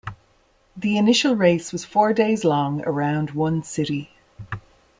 The initial race was four days long around one city.